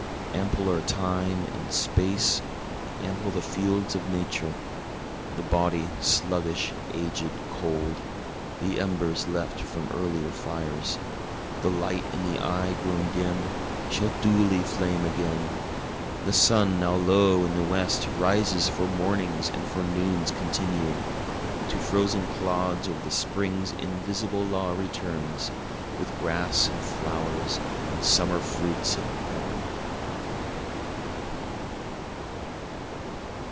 Ample are time and space ample the fields of Nature. The body, sluggish, aged, cold the embers left from earlier fires, The light in the eye grown dim, shall duly flame again; The sun now low in the west rises for mornings and for noons continual; To frozen clods ever the spring's invisible law returns, With grass and flowers and summer fruits and corn.